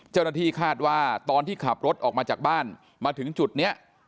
เจ้าหน้าที่คาดว่าตอนที่ขับรถออกมาจากบ้านมาถึงจุดนี้